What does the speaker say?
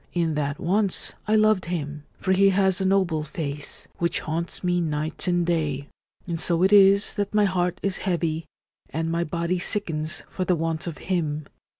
In that once I loved him, for he has a noble face, which haunts me night and day ; and so it is that my heart is heavy, and my body sickens for the want of him.